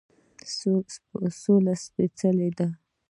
سوله سپیڅلې ده